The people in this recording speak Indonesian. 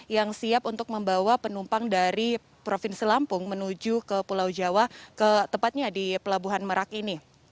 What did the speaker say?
yang siap untuk membawa penumpang dari provinsi lampung menuju ke pulau jawa tepatnya di pelabuhan merak ini